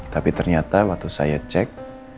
tapi ternyata waktu saya cek